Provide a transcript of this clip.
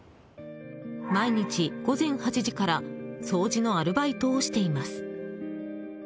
毎日午前８時から掃除のアルバイトをしています。